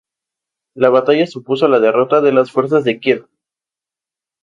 La batalla supuso la derrota de las fuerzas de Kiev.